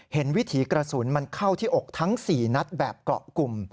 วิถีกระสุนมันเข้าที่อกทั้ง๔นัดแบบเกาะกลุ่ม